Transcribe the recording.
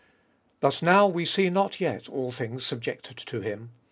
But now we see not yet all things subjected to Mm.